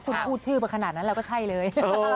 ขูดชื่อมาขนาดนั้นแล้วไม่ใช่เลย